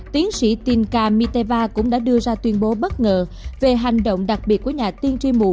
tiến sĩ tin ca miteva cũng đã đưa ra tuyên bố bất ngờ về hành động đặc biệt của nhà tiên tri mù